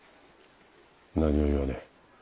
何も言わねえ。